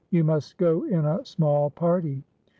You must go in a small party.